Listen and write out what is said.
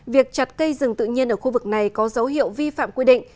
việc chặt cây rừng tự nhiên ở khu vực này có dấu hiệu vi phạm quy định